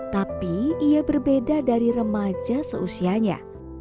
tapi ia berbeda dari remaja seusianya